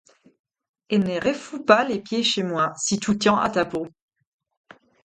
Et ne refous pas les pieds chez moi, si tu tiens à ta peau!